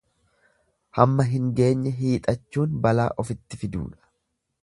Hamma hin geenye hiixachuun balaa ofitti fiduudha.